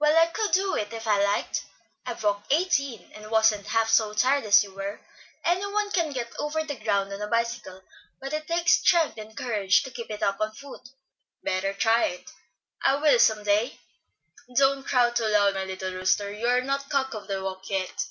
"Well, I could do it if I liked. I've walked eighteen, and wasn't half so tired as you were. Any one can get over the ground on a bicycle, but it takes strength and courage to keep it up on foot." "Better try it." "I will, some day." "Don't crow too loud, my little rooster; you are not cock of the walk yet."